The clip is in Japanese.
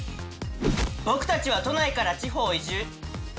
僕たちは都内から地方移住！